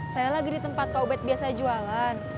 saya lagi di tempat kau bed biasanya jualan